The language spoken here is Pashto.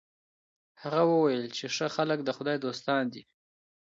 هغه وویل چي ښه خلک د خدای دوستان دي.